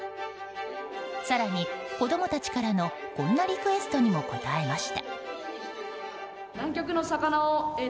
更に、子供たちからのこんなリクエストにも応えました。